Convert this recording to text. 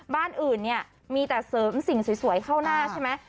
บ้านอื่นเนี่ยมีแต่เสริมสิ่งสวยเข้าหน้าใช่ไหม